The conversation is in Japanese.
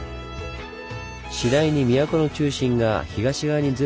次第に都の中心が東側にずれていく中